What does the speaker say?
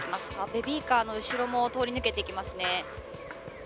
ベビーカーの後ろも通り抜けていきますね。